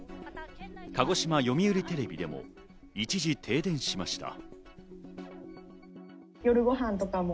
鹿児島読売テレビでも一時、停電しました。